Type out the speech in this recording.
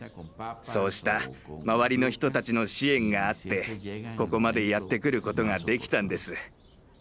そうした周りの人たちの支援があってここまでやってくることができたんです。